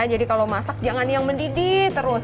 jadi kalau masak jangan yang mendidih terus